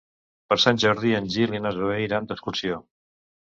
Per Sant Jordi en Gil i na Zoè iran d'excursió.